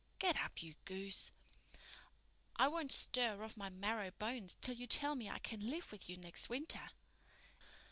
"Get up, you goose." "I won't stir off my marrow bones till you tell me I can live with you next winter."